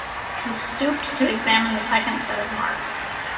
He stooped to examine the second set of marks.